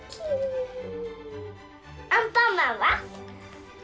アンパンマンは？